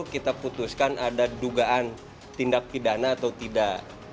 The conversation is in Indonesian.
kita putuskan ada dugaan tindak pidana atau tidak